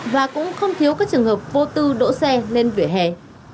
và cũng không thiếu các trường hợp vô tư đỗ xe lên vỉa hè